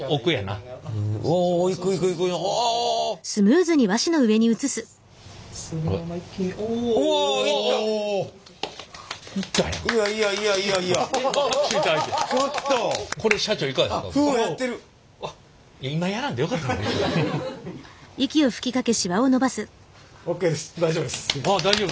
ああ大丈夫。